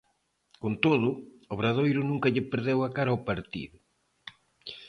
Con todo, Obradoiro nunca lle perdeu a cara ao partido.